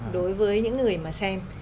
đối với những người mà xem